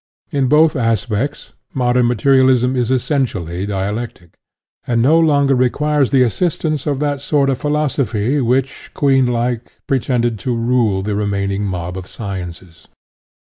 In both aspects, modern materialism is essentially dialectic, and no longer re quires the assistance of that sort of philoso phy which, queen like, pretended to rule the remaining mob of sciences.